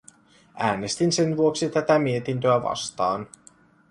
Äänestin sen vuoksi tätä mietintöä vastaan.